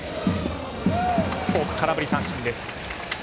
フォークで空振り三振です。